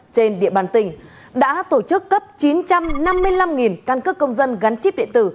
trên địa bàn tỉnh đã tổ chức cấp chín trăm năm mươi năm căn cước công dân gắn chip điện tử